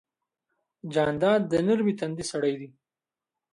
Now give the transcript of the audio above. جانداد د نرمې تندې سړی دی.